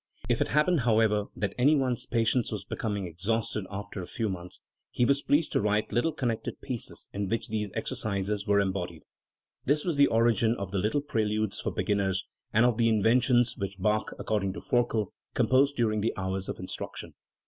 If it happened, however, that any one's patience was becoming exhausted after a few months, he was pleased to write little connected pieces, in which these exercises were embodied."* This was the origin of the Little Preludes for beginners, and of the Inventions, which Bach, according to Forkel, composed during the hours of instruction.